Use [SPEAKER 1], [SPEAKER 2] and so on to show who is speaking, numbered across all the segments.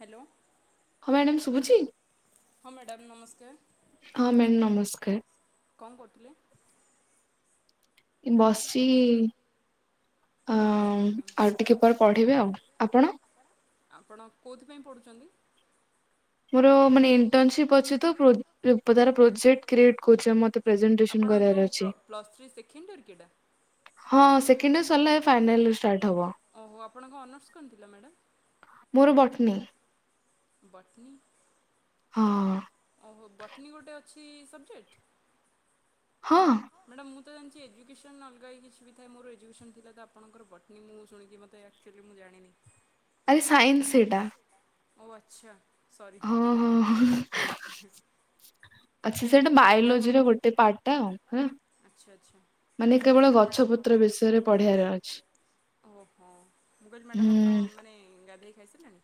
[SPEAKER 1] Hello.
[SPEAKER 2] ହଁ madam ଶୁଭୁଛି?
[SPEAKER 1] ହଁ ମ୍ୟାଡ଼ାମ୍ ନମସ୍କାର।
[SPEAKER 2] ହଁ ମ୍ୟାମ୍ ନମସ୍କାର।
[SPEAKER 1] କଣ କରୁଥିଲ?
[SPEAKER 2] ଇ ବସିଛି। ଅ ଆଉ ଟିକେ ପରେ ପଢିବେ ଆଉ ଆପଣ?
[SPEAKER 1] ଆପଣ କଉଥିପାଇଁ ପଢ଼ୁଛନ୍ତି?
[SPEAKER 2] ମୋର ମାନେ ଇଣ୍ଟର୍ନସିପ ଅଛିତ ପ୍ରୋ ତାର ପ୍ରୋଜେକ୍ଟ କ୍ରିଏଟ୍ କରୁଛି ମତେ
[SPEAKER 1] ଆପଣ ଯଉ plus plus three second year କି ଏଟା?
[SPEAKER 2] ହଁ ସେକେଣ୍ଡ ଇୟର ସରିଲା ଏବେ ଫାଇନାଲ ଇୟର ଷ୍ଟାର୍ଟ ହବ।
[SPEAKER 1] ଓହୋ ଆପଣଙ୍କ ଅନର୍ସ କଣ ଥିଲା ମ୍ୟାଡ଼ାମ୍?
[SPEAKER 2] ମୋର ବଟନୀ।
[SPEAKER 1] ବଟନୀ।
[SPEAKER 2] ହଁ।
[SPEAKER 1] ଓହୋ ବଟନୀ ଗୋଟେ ଅଛି ସବଜେକ୍ଟ?
[SPEAKER 2] ହଁ।
[SPEAKER 1] ମ୍ୟାଡ଼ାମ ମୁଁ ତ ଜାଣିଛି ଏଜୁକେସନ୍ ଅଲଗା ଇ କିଛି ବି ଥାଏ ମୋର ଏଜୁକେସନ ଥିଲା ତ ଆପଣଙ୍କର ବଟନୀ ମୁଁ ଶୁଣିକି ମୋତେ ଚାଲି ମୁଁ ଜାଣିନି ସାଇନ୍ସ ସେଟା ଓ ଆଛା।
[SPEAKER 2] ହଁ ହଁ ହଁ ହହ। ଆଚ୍ଛା ସେଇଟା ବାୟୋଲୋଜିର ଗୋଟେ ପାର୍ଟା ଆଉ ଆଁ। ମାନେ କେବଳ ଗଛପତ୍ର ବିଷୟରେ ପଢିବାରେ ଅଛି।
[SPEAKER 1] ଓହୋ ମୁଁ କହିନି ମ୍ୟାଡ଼ାମ୍ ଆପଣ ମାନେ ଗାଧେଇ ଖାଇସାରିଲେଣି?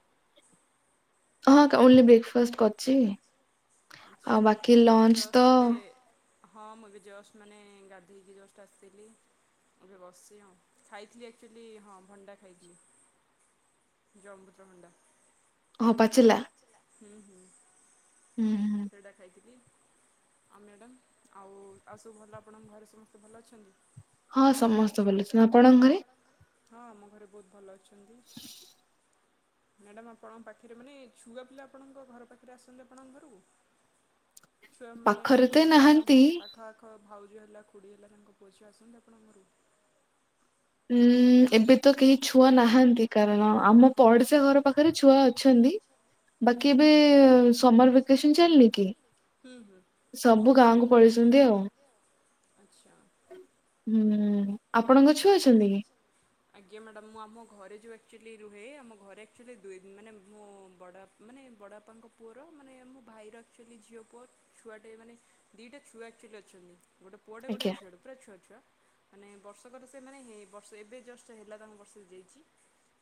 [SPEAKER 2] ହଁ କେବ ଓଲ୍ଲି ବ୍ରେକ୍ ଫାଷ୍ଟ କରିଛି, ଆଉ ବାକି ଲଞ୍ଚ ତ
[SPEAKER 1] ହଁ ମୁଁ ଏବେ ଜଷ୍ଟ ମାନେ ଗାଧେଇକି ଜଷ୍ଟ ଆସିଲି। ଏବେ ବସିଚି ଆଉ ଖାଇଥିଲି ଆକ୍ଚୁଲି ହଁ ଭଣ୍ଡା ଖାଇଥିଲି। ଯ ଅମୃତଭଣ୍ଡା।
[SPEAKER 2] ହଁ ପାଚିଲା?
[SPEAKER 1] ହୁଁ ହୁଁ।
[SPEAKER 2] ଉଁ ହୁଁ।
[SPEAKER 1] ସେଟା ଖାଇଥିଲି। ଆଉ ମ୍ୟାଡ଼ାମ୍, ଆଉ ଆଉ ସବୁ ଭଲ ଆପଣଙ୍କ ଘରେ ସମସ୍ତେ ଭଲ ଅଛନ୍ତି।
[SPEAKER 2] ହଁ ସମସ୍ତେ ଭଲ ଅଛନ୍ତି ଆପଣଙ୍କ ଘରେ?
[SPEAKER 1] ହଁ ଆମ ଘରେ ବହୁତ ଭଲ ଅଛନ୍ତି। ମ୍ୟାଡ଼ାମ ଆପଣଙ୍କ ପାଖରେ ମାନେ ଛୁଆ ପିଲା ଆପଣଙ୍କ ଘର ପାଖରେ ଆସନ୍ତି ଆପଣଙ୍କ ଘରକୁ। ଛୁଆ ମାନେ ଯୋଉ କାହା ପା ଖ ଆଖ ଭାଉଜ ହେଲା ଖୁଡ଼ି ହେଲା ତାଙ୍କ ପୁଅ ଝିଅ ଆସନ୍ତି ଆପଣଙ୍କ ଘରକୁ।
[SPEAKER 2] ହୁଁ ଏବେ ତ କେହି ଛୁଆ ନାହାଁନ୍ତି କାରଣ ଆମ ପଡିଶା ଘର ପାଖରେ ଛୁଆ ଅଛନ୍ତି। ବାକି ଏବେ ସମର ଭେକେସନ ଚାଲିିନି କି? ସବୁ ଗାଁକୁ ପଳେଇଛନ୍ତି ଆଉ।
[SPEAKER 1] ଆଛା।
[SPEAKER 2] ହୁଁ ଆପଣଙ୍କ ଛୁଆ ଅଛନ୍ତି କି?
[SPEAKER 1] [inaudible] ଆଜ୍ଞା ମ୍ୟାଡ଼ାମ ମୁଁ ଆମ ଘରେ ଯୋଉ ଆକ୍ଚୁଆଲି ରୁହେ, ଆମ ଘରେ ଆକ୍ଚୁଆଲି ଦୁଇ ଦ ମାନେ ମୁଁ ବଡ଼ ବା ମାନେ ବଡ଼ ବାପାଙ୍କ ପୁଅର ମାନେ ମୋ ଭାଇର ଆକ୍ଚୁଆଲି ଝିଅ ପୁଅ ଛୁଆଟେ ମାନେ ଦିଟା ଛୁଆ ଆକ୍ଚୁଆଲି ଅଛନ୍ତି, ଗୋଟେ ପୁଅଟେ ଗୋଟେ ଝିଅ ଟେ ପୁରା ଛୁଆଛୁଆ ମାନେ ବର୍ଷ ବର୍ଷ କର ସେ ମାନେ ହେ ବର୍ଷ ଏବେ ଜଷ୍ଟ ହେଲା ତାଙ୍କ ବର୍ଷ ହେଇଯାଇଛି।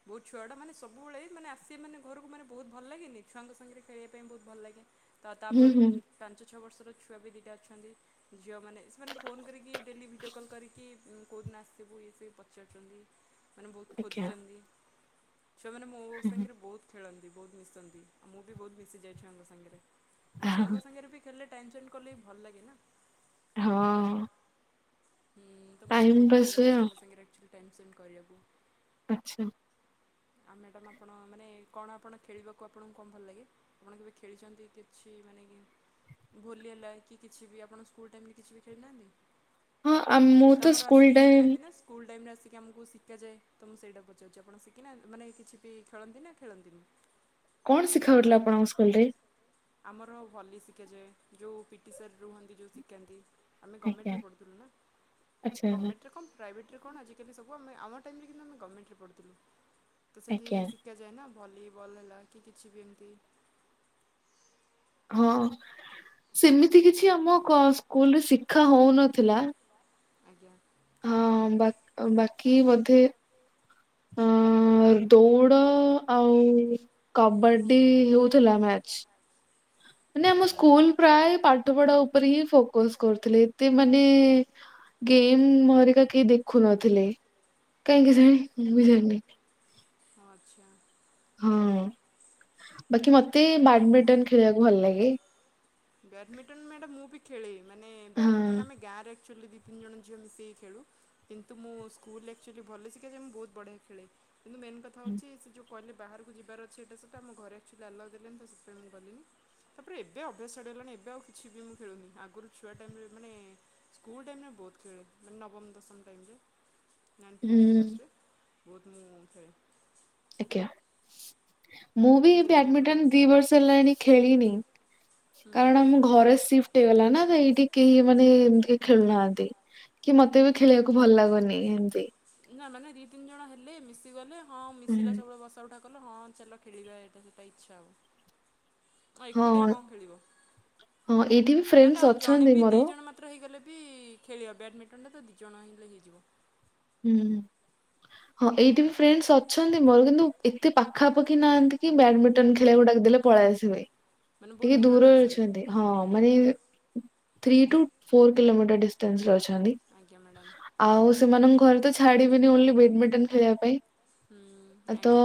[SPEAKER 1] ବହୁ ଛୁଆଟା ମାନେ ସବୁବେଳେ ମାନେ ଆସୀବେ ମାନେ ଘରକୁ ମାନେ ବହୁତ ଭଲ ଲାଗେନି, ଛୁଆଙ୍କ ସାଙ୍ଗରେ ଖେଳିବା ପାଇଁ ବହୁତ ଭଲ ଲାଗେ। ତ ତାପରେ ପାଞ୍ଚ ଛଅ ବର୍ଷର ଛୁଆ ବି ଦୁଇଟା ଅଛନ୍ତି। ଝିଅମାନେ ସେମାନେ ଫୋନ୍ କରିକି ଡେଲି ଭିଡ଼ିଓ କଲ୍ କରିକି ଉଁ କୋଉଦିନ ଆସିବୁ ଇଏ ସିଏ ପଚାରୁଛନ୍ତି ମାନେ ବହୁତ ଖୋଜୁଛନ୍ତି। ଛୁଆମାନେ ମୋ ସାଙ୍ଗରେ ବହୁତ ଖେଳନ୍ତି, ବହୁତ ମିଶନ୍ତି, ଆଉ ମୁଁ ବି ବହୁତ ମିଶିଯାଏ ଛୁଆଙ୍କ ସାଙ୍ଗରେ। ଆ ଛୁଆଙ୍କ ସାଙ୍ଗରେ ବି ଖେଳିଲେ ଟାଇମ ସ୍ପେଣ୍ଡ କଲେ ବି ଭଲ ଲାଗେ ନା।
[SPEAKER 2] ହଁ।
[SPEAKER 1] ହୁଁ ତ ମୋତେ ବହୁତ ଭଲ ଲାଗେ ଛୁଆଙ୍କ ସାଙ୍ଗରେ ଆକ୍ଚୁଆଲି ଟାଇମ ସ୍ପେଣ୍ଡ କରିବାକୁ।
[SPEAKER 2] ଆଚ୍ଛା।
[SPEAKER 1] ଆ ମ୍ୟାଡ଼ାମ ଆପଣ ମାନେ କଣ ଆପଣ ଖେଳିବାକୁ ଆପଣଙ୍କୁ କଣ ଭଲ ଲାଗେ? ଆପଣ କେବେ ଖେଳିଛନ୍ତି କିଛି ମାନେ ଗେମ୍? ଭୋଲି ହେଲା କି କିଛି ବି ଆପଣ ସ୍କୁଲ ଟାଇମ୍ ରେ କିଛି ବି ଖେଳିନାହାନ୍ତି।
[SPEAKER 2] ହଁ ଆ ମୁଁ
[SPEAKER 1] ତୁମର ଆସିକି ଶିଖାନ୍ତି ନା ସ୍କୁଲ୍ ଟାଇମ୍ରେ ଆସିକି ଆମକୁ ଶିଖାଯାଏ, ତ ମୁଁ ସେଇଟା ପଚାରୁଛି ଆପଣ ଶିଖିନାହା ମାନେ କିଛି ବି ଖେଳନ୍ତି ନା ଖେଳନ୍ତିନିଁ।
[SPEAKER 2] କଣ ଶିଖା ହଉଥିଲା ଆପଣଙ୍କ ସ୍କୁଲ ରେ।
[SPEAKER 1] ଆମର ଭଲି ଶିଖାଯାଏ, ଯୋଉ ପିଟି ସାର୍ ରୁହନ୍ତି ଯୋଉ ଶିକାନ୍ତି। ଆମେ ଗମେଣ୍ଟରେ ପଢୁଥିଲୁ ନା ଗମେଣ୍ଟରେ କଣ ପ୍ରାଇଭେଟ୍ରରେ କଣ ଆଜିକାଲି ସବୁ ଆମେ ଆମ ଟାଇମରେ କିନ୍ତୁ ଆମେ ଗମେଣ୍ଟରେ ପଢ଼ୁଥିଲୁ, ତ ସେଠି ସି କାଯାଏ ନା ଭଲିବଲ୍ ହେଲା କି କିଛି ବି ଏମିତି।
[SPEAKER 2] ହଁ ସେମିତି କିଛି ଆମ କ ସ୍କୁଲ ରେ ଶିଖା ହଉନଥିଲା।
[SPEAKER 1] ଆଜ୍ଞା।
[SPEAKER 2] ହଁ ବା ବାକି ବୋଧେ ଅ ଦୌଡ଼ ଆଉ କବାଡି ହଉଥିଲା ମ୍ୟାଚ। ମାନେ ଆମ ସ୍କୁଲ ପ୍ରାୟ ପାଠ ପଢା ଉପରେ ହିଁ ଫୋକସ କରୁଥିଲେ, ଏତେ ମାନେ ଗେମ୍ ହରିକା କେହି ଦେଖୁ ନଥିଲେ କାହିଁକି କେଜାଣି ମୁଁ ବି ଜାଣିନି।
[SPEAKER 1] ଆଚ୍ଛା।
[SPEAKER 2] ହଁ ବାକି ମତେ ବାଡମିଣ୍ଟନ ଖେଳିବାକୁ ଭଲ ଲାଗେ।
[SPEAKER 1] ବ୍ୟାଡମିଣ୍ଟନ ମ୍ୟାଡାମ ମୁଁ ବି ଖେଳେ ମାନେ ବ୍ୟାଡମିଣ୍ଟନ ଆମେ ଗାଁ ରେ ଆକ୍ଚୁଲି ଦି ତିନି ଜଣ ଝିଅ ମିସିକୀ ଖେଳୁ। କିନ୍ତୁ ମୁଁ ସ୍କୁଲ ଅକ୍ଚୁଆଲି ଭଲ ଶିଖା ଯାଏ, ମୁଁ ବହୁତ ବଢିଆ ଖେଳେ କିନ୍ତୁ ମେନ୍ କଥା ହଉଛି ସେ ଯୋଉ କହିଲେ ବାହାରକୁ ଯିବାର ଅଛି ଏଇଟା ସେଇଟା ଆମ ଘରେ ଆକ୍ଚୁଲି ଆଲାଓ ଦେଲେନି ସେଥିପାଇଁ ମୁଁ ଗଲିିନି ତାପରେ ଏବେ ଡ୍ରେସ୍ ସାଡ଼ଗଲାଣି ଏବେ ଆଉ କିଛି ବି ମୁଁ ଖେଳୁନି ଆଗରୁ ଛୁଆ ଟାଇମି ମାନେ ସ୍କୁଲ ଟାଇମରେ ବହୁତ ଖେଳ ମାନେ ନବମ ଦଶମ ଟାଇମରେ। ନାଇନ୍ ଟେନ୍ କ୍ଲାସରେ ବହୁତ ମୁଁ ଖେଳେ।
[SPEAKER 2] ଆଜ୍ଞା ମୁଁ ବି ବ୍ୟାଡମିଟନ ଦି ବର୍ଷ ହେଲାଣି ଖେଲିନି କାରଣ ଆମ ଘରେ ସିପ ସିପଟି ହେଇଗଲା ନା ଏଇଠି କେହି ମାନେ ଏମିତି ଖେଳୁନାହାନ୍ତି। କି ମତେ ବି ଖେଳିବାକୁ ଭଲ ଲାଗୁନି ଏମିତି।
[SPEAKER 1] ନା ମାନେ ଦି ତିନି ଜଣ ହେଲେ ମିଶିଗଲେ ହଁ ମିଶିଲା ସବୁବେଳେ ବସା ଉଠା କଲ ହଁ ଚାଲ ଖେଳିବା ଏଇଟା ସେଇଟା ଇଚ୍ଛା ଆଉ। ଆଉ ଏକୁଟିଆ କଣ ଖେଳିବ ନହେଲେ ଆଉ ଜଣେ ବି ଦି ଜଣ ମେ ପତ୍ର ହେଇଗଲେ ବି ଖେଳିବ ବ୍ୟାଡ଼ମିଣ୍ଟନଟା ତ ଦୁଇଜଣ ହେଲେ ହେଇଯିବ।
[SPEAKER 2] ହୁଁ ହଁ ଏଇଠି ବି ଫ୍ରେଣ୍ଡ ଅଛନ୍ତି ମୋର କିନ୍ତୁ ଏତେ ପାଖାପାଖି ନାହାନ୍ତି। କି ବ୍ୟାଡମିଣ୍ଟନ ଖେଳି ବାକୁ ଡାକି ଦେଲେ ପଳେଇସିବେ ଟିକେ ଦୂର ଅଛନ୍ତି। ହଁ ମାନେ ଥ୍ରୀ ଟୁ ଫୋର୍ କିଲୋମିଟର ଡିଷ୍ଟାନ୍ସରେ ଅଛନ୍ତି।
[SPEAKER 1] ଆଜ୍ଞା ମ୍ୟାଡ଼ାମ୍।
[SPEAKER 2] ଆଉ ସେମାନଙ୍କ ଘରେ ତ ଛାଡିବେନି ଓନ୍ଲି ବେଡମିଣ୍ଟନ ଖେଳିବା ପାଇଁ। ତ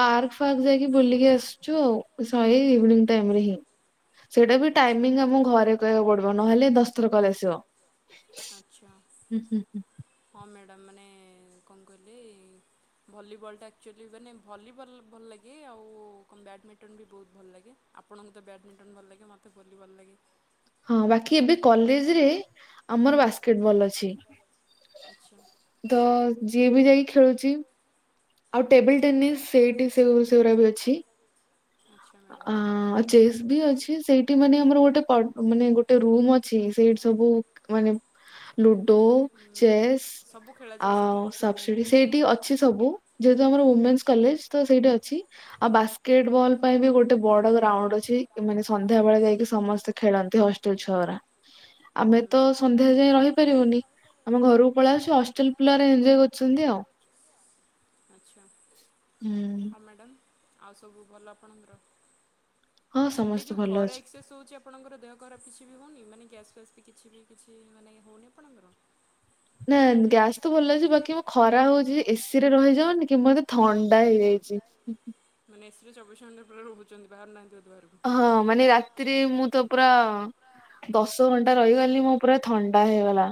[SPEAKER 2] ପାର୍କ ଫାର୍କ ଯାଇକି ବୁଲିକି ଆସିଛୁ ଆଉ ସରି ଇଭିନିଂ ଟାଇମ ରେ ହିଁ। ସେଇଟା ବି ଟାଇମିଙ୍ଗ ଆମକୁ ଘରେ କହିବାକୁ ପଡିବ ନହେଲେ ଦଶଥର କଲ୍ ଆସିବ।
[SPEAKER 1] ଆଚ୍ଛା ହଁ ମ୍ୟାଡ଼ାମ ମାନେ କଣ କହିଲି? ଭଲିବଲ୍ଟା ଆକ୍ଚୁଆଲି ମାନେ ଭଲିବଲ୍ ଭଲ ଲାଗେ ଆଉ କଣ ବ୍ୟାଡ଼ମିଣ୍ଟନ ବି ବହୁତ ଭଲ ଲାଗେ। ଆପଣଙ୍କୁ ତ ବ୍ୟାଡ଼ମଣ୍ଟନ ଭଲ ଲାଗେ ମୋତେ ଭଲି ଭଲ ଲାଗେ।
[SPEAKER 2] ହଁ ବାକି ଏବେ କଲେଜ ରେ ଆମର ବାସ୍କେଟବଲ ଅଛି ତ ଯିଏ ବି ଯାଇକି ଖେଳୁଛି ଆଉ ଟେବଲ ଟେନିସ୍ ସେଇଠି ସେ ସେଗୁଡ଼ା ବି ଅଛି।
[SPEAKER 1] ଆଚ୍ଛା ମ୍ୟାଡ଼ାମ୍।
[SPEAKER 2] ଚେସ୍ ବି ଅଛି ସେଇଠି ମାନେ ଆମର ଗୋଟେ ମାନେ ଗୋଟେ ରୁମ ଅଛି ସେଇଠି ସବୁ ମାନେ ଲୁଡୋ ଚେସ୍ ଆଉ ସପସିଡ଼ି ସେଇଠି ଅଛି ସବୁ। ଯେହେତୁ ଆମର ଓମେନ୍ସ କଲେଜ ତ ସେଇଠି ଅଛି ଆଉ ବାସ୍କେଟବଲ ପାଇଁ ବି ଗୋଟେ ବଡ ଗ୍ରାଉଣ୍ଡ ଅଛି ମାନେ ସନ୍ଧ୍ୟା ବେଳେ ଯାଇକି ସମସ୍ତେ ଖେଳନ୍ତି ହଷ୍ଟେଲ ଛୁଆ ଗୋରା। ଆମେ ତ ସନ୍ଧ୍ୟା ଯ ରହିପାରିବୁନି ଆମ ଘରକୁ ପଳେଇ ଆସଛି ହଷ୍ଟେଲ ପିଲାରେ ଏଜୟ କରୁଛନ୍ତି ଆଉ।
[SPEAKER 1] ହ ଆଚ୍ଛା ହଉ ମ୍ୟାଡ଼ାମ୍ ଆଉ ସବୁ ଭଲ ଆପଣଙ୍କର? ଏବେ ଯୋଉ ଖରା ଏକ୍ସସ ହଉଛି। ଆପଣଙ୍କର ଦେହ ଖରାପ କିଛି ବି ହେଉନି ମାନେ ଗ୍ୟାସ୍ ଫ୍ୟାସ୍ କିଛି ବି କିଛି ମାନେ ହେଉନି ଆପଣଙ୍କର?
[SPEAKER 2] ନା ଗ୍ୟାସ ତ ଭଲ ଅଛି ବାକି ମୋ ଖରା ହଉଛି ଏସି ରେ ରହିଯାଉନି କି ମତେ ଥଣ୍ଡା ହେଇଯାଇଛି। [unintelligible]
[SPEAKER 1] ମାନେ ଏସିରେ ଚବିଶ ଘଣ୍ଟା ପରା ରହୁଛନ୍ତି ବାହାରୁ ନାହାନ୍ତି ବାହାରକୁ?
[SPEAKER 2] ହଁ ମାନେ ରାତିରେ ମୁଁ ତ ପୁରା ଦଶ ଘଣ୍ଟା ରହିଗଲି ମୁଁ ପୁରା ଥଣ୍ଡା ହେଇଗଲା।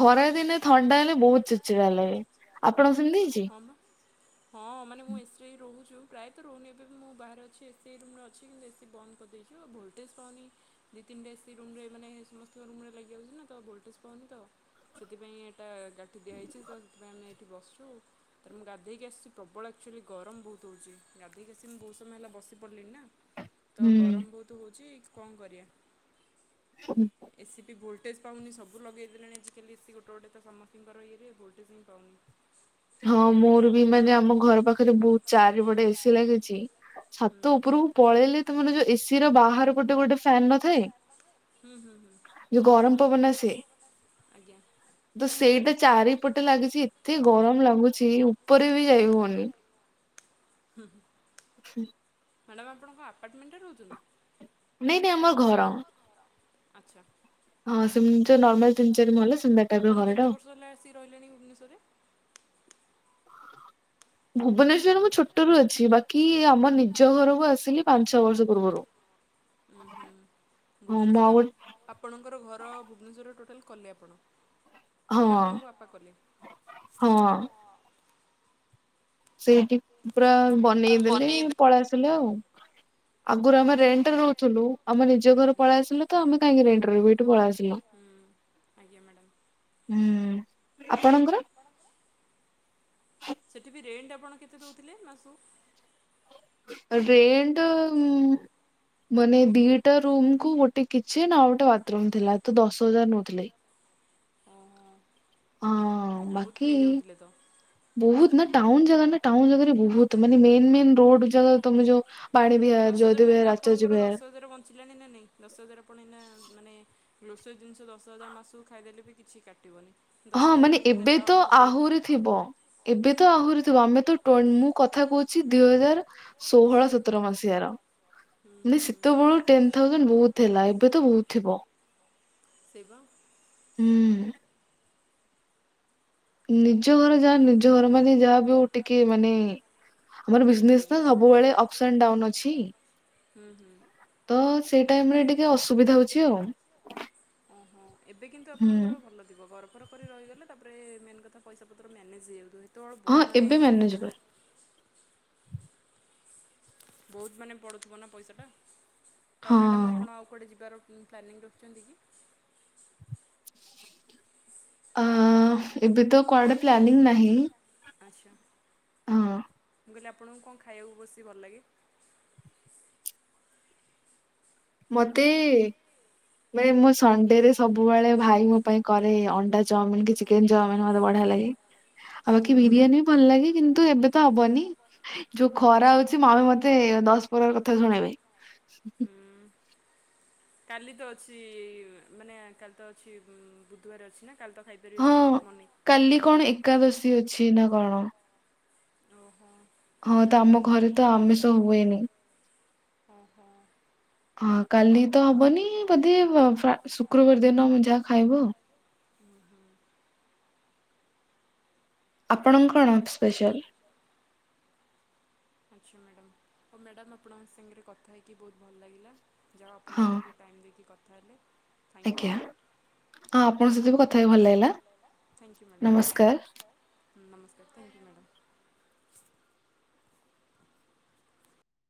[SPEAKER 2] ଖରା ଦିନେ ଥଣ୍ଡା ହେଲେ ବହୁତ ଚି ଚିଡା ଲାଗେ। ଆପଣ ସେମିତି
[SPEAKER 1] ହଁମ୍। ହଁ ମାନେ ମୁଁ ଏସି ରହୁଛୁ ପ୍ରାୟ ତ ରହୁନି ଏବେ ମୁଁ ବାହାରେ ଅଛି ଏ ସ ରୁମରେ ଅଛି କିନ୍ତୁ ଏସିି ବନ୍ଦ କରିଦେଇଚୁ ଭୋଲଟେଜ ପାଉନି। ଦୁଇ ତିନିଟା ଏସି ରୁମ ରେ ମାନେ ସମସ୍ତଙ୍କ ରୁମ ରେ ଲାଗିଯାଉଛି ନା ତ ଭୋଲଟେଜ୍ ପାଉନି ତ। ସେଥିପାଇଁ ଏଇଟା ଗାଠି ଦିଆହେଇଛି ତ ସେଥିପାଇଁ ଆମେ ଏଇଠି ବସିଛୁ। ତାପରେ ମୁଁ ଗାଧେଇକି ଆସିଛି ପ୍ରବଳ ଆଚୁଆଲି ଗରମ ବହୁତ ହେଉଛି ଗାଧୋଇକି ଆସି ମୁଁ ବହୁତ ସମୟ ହେଲା ବସି ପଡ଼ିଲିନି ନା। ତ ଗରମ ବହୁତ ହଉଚି କଣ କରିବା?
[SPEAKER 2] ହୁଁ।
[SPEAKER 1] ଏସିି ବି ଭୋଲ୍ଟେଜ ପାଉନି ସବୁ ଲଗେଇ ଦେଲେଣି ଆଜିକାଲି ଏସି ଗୋଟେ ଗୋଟେତ ସମସ୍ତିଙ୍କର ଇଏରେ ଭୋଲ୍ଟେଜ୍ ପାଉନି।
[SPEAKER 2] ହଁ ମୋର ବି ମାନେ ଆମ ଘର ପାଖରେ ବହୁତ ଚାରି ବଡେ ଏସି ଲାଗିଛି। ଛାତ ଉପରକୁ ପଳେଇଲେ ତମର ଯୋଉ ଏସି ର ବାହାର ଗୋଟେ ଗୋଟେ ଫ୍ୟାନ ନଥାଏ। ଯଉ ଗରମ ପବନ ଆସେ? ତ ସେଇଟା ଚାରିପଟେ ଲାଗିଛି ଏତେ ଗରମ ଲାଗୁଛି ଉପରେ ବି ଯାଇ ହଉନି।
[SPEAKER 1] ହୁଁ ହୁଁ।
[SPEAKER 2] ହ।
[SPEAKER 1] ମ୍ୟାଡ଼ାମ୍ ଆପଣଙ୍କ ଆପାର୍ଟମେଣ୍ଟରେ ରହୁଛନ୍ତି।
[SPEAKER 2] ନାଇଁ ନାଇଁ ଆମର ଘର।
[SPEAKER 1] ଆଚ୍ଛା।
[SPEAKER 2] ହଁ ସେମିତି ତ ନର୍ମାଲ ତିନି ଚାରି ମହଲା ସେମିତିଆ ଟାଇପର ଘରଟା ଆଉ।
[SPEAKER 1] ଆସି ରହିଲେଣି ଭୁବନେଶ୍ୱରରେ।
[SPEAKER 2] ଭୁବନେଶ୍ଵର ମୁଁ ଛୋଟରୁ ଅଛି ବାକି ଆମ ନିଜ ଘରକୁ ଆସିଲି ପାଞ୍ଚ ବର୍ଷ ପୂର୍ବରୁ।
[SPEAKER 1] ଉଁ ହୁଁ। ଭୁବନେଶ୍ୱର ଆପ ଆପଣଙ୍କର ଘର ଭୁବନେଶ୍ୱର ଟୋଟାଲ କଲେ ଆପଣ। ମାନେ ଆପଣଙ୍କ ବାପା କଲେ।
[SPEAKER 2] ହଁ। ସେଇଠି ପୁରା ବନେଇଦେଲେ ପଳେଇ ଆସିଲେ ଆଉ। ଆଗରୁ ଆମେ ରେଣ୍ଟରେ ରହୁଥିଲୁ ଆମ ନିଜ ଘର ପଳେଇ ଆସିଲୁ ତ ଆମେ କାହିଁକି ରେଣ୍ଟରେ ରହିବୁ ହେଇଠୁ ପଳେଇ ଆସିଲୁ।
[SPEAKER 1] ହୁଁ ଆଜ୍ଞା ମ୍ୟାଡ଼ାମ।
[SPEAKER 2] ହୁଁ ଆପଣଙ୍କର?
[SPEAKER 1] ହଁ। ସେଇଠି ବି ରେଣ୍ଟ୍ ଆପଣ କେତେ ଦେଉଥିଲେ ମାସକୁ?
[SPEAKER 2] ରେଣ୍ଟ ମୁଁ ମାନେ ଦିଟା ରୁମ୍ କୁ ଗୋଟେ କିଚେନ ଆଉ ଗୋଟେ ବାଥରୁମ ଥିଲା ତ ଦଶ ହଜାର ନଉଥିଲେ। ହଁ ବାକି ବହୁତ ନା ଟାଉନ ଜାଗା ନା ଟାଉନ ଜାଗାରେ ବହୁତ ମାନେ ମେନ୍ ମେନ ରୋଡ ଜାଗା ତମେ ଯୋଉ
[SPEAKER 1] ଦଶ ହଜାର ଟଙ୍କା ଏଇନା ଆପଣଙ୍କର ଦଶ ହଜାର ବଞ୍ଚିଲାଣି ନା ନାଇଁ ଦଶ ହଜାର ଆପଣ ଏଇନା ମାନେ ଗ୍ଲୋସରୀ ଜିନିଷ ଦଶ ହଜାର ମାସକୁ ଖାଇଦେଲେ ବି କିଛି କାଟିବନି।
[SPEAKER 2] ହଁ ମାନେ ଏବେ ତ ଆହୁରି ଥିବ। ଏବେ ତ ଆହୁରି ଥିବ ଆମେ ତ ଟୋନ ମୁଁ କଥା କହୁଛି ଦି ହଜାର ଷୋହଳ ସତର ମସିହାର। ମାନ ସେତେବେଳୁ ଟେନ ଥାଉଜେଣ୍ଡ ବହୁତ ଥେଲା ଏବେ ତ ବହୁତ ଥିବ।
[SPEAKER 1] ସେଇବା।
[SPEAKER 2] ହୁଁ। ନିଜ ଘର ଯାହା ନିଜ ଘର ମାନେ ଯାହା ବି ହଉ ଟିକେ ମାନେ ଆମର ବିଜନେସ ନା ସବୁବେଳେ ଅପସ ଆଣ୍ଡ ଡାଉନ ଅଛି। ତ ସେ ଟାଇମ ରେ ଟିକେ ଅସୁବିଧା ହଉଛି ଆଉ।
[SPEAKER 1] ଓହୋ ଏବେ କିନ୍ତୁ ଆପଣଙ୍କର ଭଲ ଥିବ ଗର ଘର ଫର କରି ରହିଗଲେ ତାପରେ ମେନ୍ କଥା ପଇସା ପତ୍ର ମ୍ୟାନେଜ୍ ହେଇଯାଉଥିବ ହେତେବେଳେ ବହୁତ ମାନେ ବହୁତ ମାନେ ପଡ଼ୁଥିବ ନା ପଇସାଟା ତ ମ୍ୟାଡ଼ାମ୍ ଆପଣ ଆଉ କୁଆଡ଼େ ଯିବାର ପ୍ଲାନିଂ ରଖିଛନ୍ତି କି?
[SPEAKER 2] ଆ ଏବେ ତ କୁଆଡେ ପ୍ଲାନିଂ ନାହିଁ
[SPEAKER 1] ଆଚ୍ଛା!
[SPEAKER 2] ହଁ,
[SPEAKER 1] ମୁଁ କହିଲି ଆପଣଙ୍କୁ କଣ ଖାଇବାକୁ ବେସି ଭଲ ଲାଗେ?
[SPEAKER 2] ମତେ ମାନେ ମୁଁ ସଣ୍ଡେ ରେ ସବୁବେଳେ ଭାଇ ମୋ ପାଇଁ କରେ ଅଣ୍ଡା ଚାଉମିନ କି ଚିକେନ ଚାଉମିିନ ମତେ ବଢିଆ ଲାଗେ ଆଉ ବାକି ବିରିୟାନୀ ବି ଭଲ ଲାଗେ କିନ୍ତୁ ଏବେ ତ ହବନି। ଯୋଉ ଖରା ହଉଛି, ମମି ମତେ ଦଶ ପ୍ରକାର କଥା ଶୁଣେଇବେ।
[SPEAKER 1] କାଲି ତ ଅଛି ମାନେ କାଲି ତ ଅଛି ବୁଧବାର ଅଛି ନା କାଲି ତ ଖାଇ କରି ପାରିବେ ଚାହିଁଲେ ବନେଇ କି।
[SPEAKER 2] କାଲି କଣ ଏକାଦଶୀ ଅଛି ନା କଣ?
[SPEAKER 1] ଓହୋ।
[SPEAKER 2] ହଁ ତ ଆମ ଘରେ ତ ଆମିଷ ହୁଏନି। ହଁ କାଲି ତ ହବନି ବୋଧେ ଶୁକ୍ରବାର ଦିନ ଆମେ ଯାହା ଖାଇବୁ ଆଉ। ଆପଣଙ୍କ କଣ ସ୍ପେଶାଲ୍?
[SPEAKER 1] ଆଚ୍ଛା ମ୍ୟାଡ଼ାମ୍ ହଉ ମ୍ୟାଡ଼ାମ ଆପଣଙ୍କ ସାଙ୍ଗରେ କଥା ହେଇକି ବହୁତ ଭଲ ଲାଗିଲା। ଯାହା ଆପଣ ଏତିକି ଟାଇମ୍ ଦେଇକି କଥା ହେଲେ
[SPEAKER 2] ଆଜ୍ଞା। ହଁ, ଆପଣଙ୍କ ସହିତ ବି କଥା ହେଇକି ଭଲ ଲାଗିଲା।
[SPEAKER 1] ଥ୍ୟାଙ୍କ ୟୁ ମ୍ୟାଡ଼ମ୍, ନମସ୍କାର। Thank you madam.